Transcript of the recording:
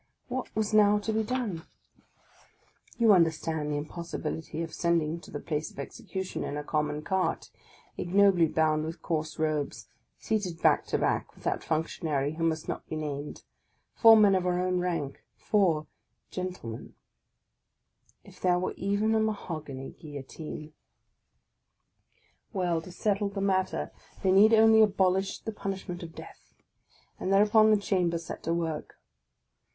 What was now to be done? i The Ministers, who were afterwards imprisoned in the fortress of Ham. M. VICTOR HUGO 27 You understand the impossibility of sending to the place of execution, in a common cart, ignobly bound with coarse ropes, seated back to back with that functionary who must not be named. — four men of our own rank, — four " gentlemen !" If there were even a mahogany Guillotine ! Well, to settle the matter, they need only abolish the pun ishment of death; and thereupon the Chamber set to work!